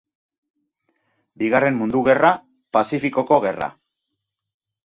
Bigarren Mundu Gerra, Pazifikoko Gerra.